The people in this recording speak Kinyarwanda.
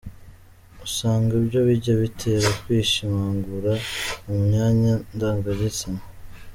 Usanga ibyo bijya bitera kwishimagura mu myanya ndangagitsina.